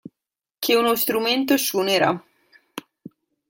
Che uno strumento suonerà.